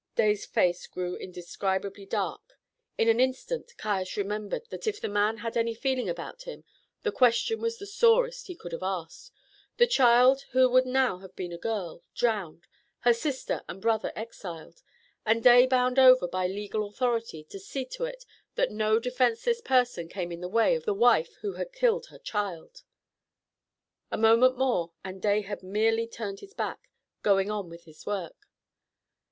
Day's face grew indescribably dark. In an instant Caius remembered that, if the man had any feeling about him, the question was the sorest he could have asked the child, who would now have been a girl, drowned, her sister and brother exiled, and Day bound over by legal authority to see to it that no defenceless person came in the way of the wife who had killed her child! A moment more, and Day had merely turned his back, going on with his work.